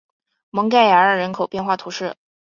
蒙盖亚尔人口变化图示